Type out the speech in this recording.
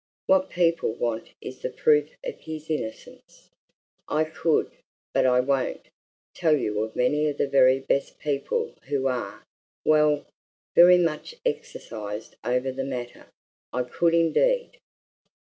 What people want is the proof of his innocence. I could but I won't tell you of many of the very best people who are well, very much exercised over the matter I could indeed!"